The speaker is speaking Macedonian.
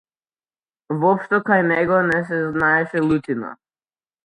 Воопшто кај него не се знаеше лутина.